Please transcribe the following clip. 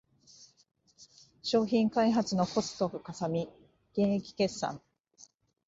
商品開発のコストがかさみ減益決算